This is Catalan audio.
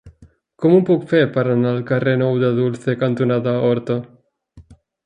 Com ho puc fer per anar al carrer Nou de Dulce cantonada Horta?